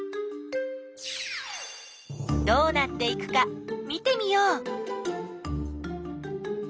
どうなっていくか見てみよう。